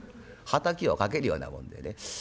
はたきをかけるようなもんでね。